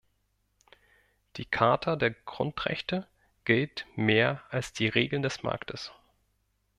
Die Charta der Grundrechte gilt mehr als die Regeln des Marktes.